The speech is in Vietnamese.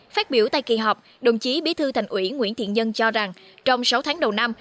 phát biểu tại kỳ họp đồng chí bí thư thành ủy nguyễn thiện nhân cho rằng trong sáu tháng đầu năm